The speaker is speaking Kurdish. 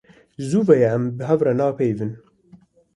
Ji zû ve ye em bi hev re nepeyivîne.